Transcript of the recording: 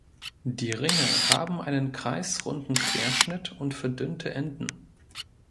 Die Ringe haben einen kreisrunden Querschnitt und verdünnte Enden.